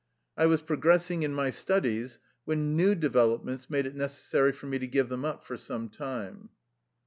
I was progressing in my studies when new developments made it necessary for me to give them up for some time.